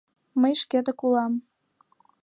Мый шкетак улам.